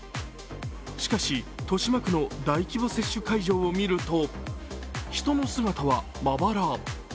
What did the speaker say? しかし、豊島区の大規模接種会場を見ると人の姿はまばら。